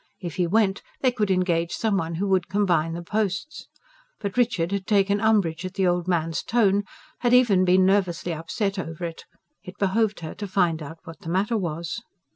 If he went they could engage some one who would combine the posts. But Richard had taken umbrage at the old man's tone; had even been nervously upset over it. It behoved her to find out what the matter was.